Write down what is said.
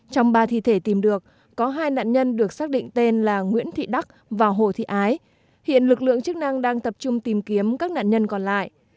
trong ba thi thể tìm được có hai nạn nhân được xác định tên là nguyễn thị đắc và hồ thị ái hiện lực lượng chức năng đang tập trung tìm kiếm các nạn nhân còn lại